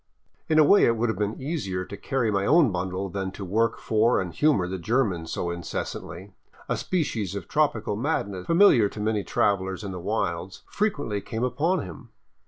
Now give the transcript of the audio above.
In a way it would have been easier to carry my own bundle than to work for and humor the German so incessantly. A species of trop ical madness, familiar to many travelers in the wilds, frequently came upon him.